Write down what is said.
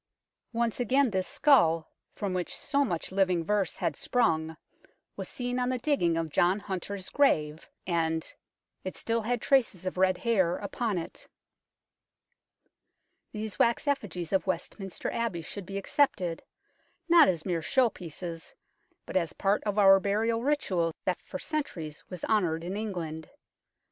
Once again this skull, from which so much living verse had sprung, was seen on the digging of John Hunter's grave, and " it had still traces of red hair upon it." These wax effigies of Westminster Abbey should be accepted, not as mere show pieces, but as part of our burial ritual that for centuries was honoured in England.